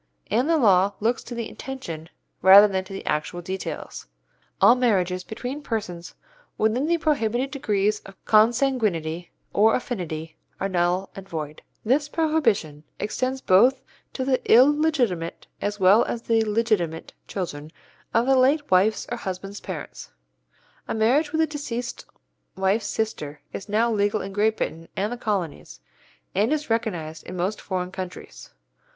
and the law looks to the intention rather than to the actual details. All marriages between persons within the prohibited degrees of consanguinity or affinity are null and void. This prohibition extends both to the illegitimate as well as the legitimate children of the late wife's or husband's parents. A marriage with a deceased wife's sister is now legal in Great Britain and the Colonies, and is recognized in most foreign countries.